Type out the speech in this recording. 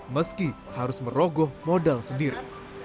meski harus merogoh modal sendiri